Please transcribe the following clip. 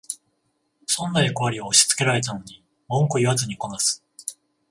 損な役割を押しつけられたのに文句言わずこなす